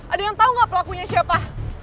ada yang tahu nggak pelakunya siapa